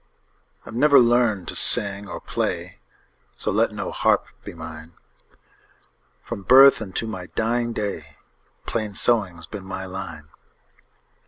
I 've never learned to sing or play, So let no harp be mine; From birth unto my dying day, Plain sewing 's been my line.